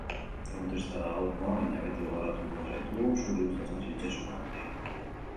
Egun tristea da gaurkoa, baina beti gogoratuko zaitugu zuri gustatzen zitzaizuna egiten.